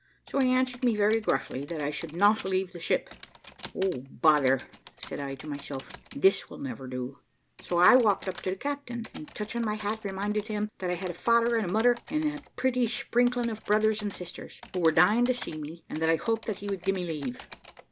So he answered me very gruffly, that I should not leave the ship. `O bother!' said I to myself, `this will never do.' So up I walked to the captain, and touching my hat, reminded him that `I had a father and mother, and a pretty sprinkling of brothers and sisters, who were dying to see me, and that I hoped that he would give me leave.'